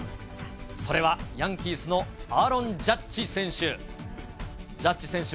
それは、ヤンキースのアーロン・ジャッジ選手。